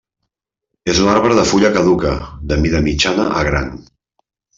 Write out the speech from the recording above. És un arbre de fulla caduca de mida mitjana a gran.